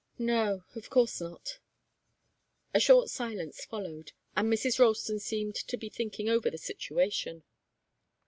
"No of course not." A short silence followed, and Mrs. Ralston seemed to be thinking over the situation.